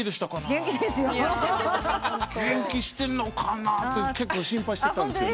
元気してんのかなって結構心配してたんですよね。